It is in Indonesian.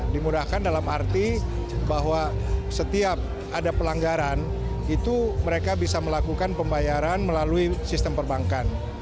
dimudahkan dalam arti bahwa setiap ada pelanggaran itu mereka bisa melakukan pembayaran melalui sistem perbankan